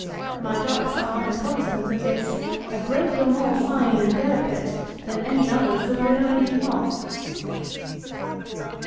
My ducks are, in consequence of this, a great deal more fine and delicate than any others that I know any thing of.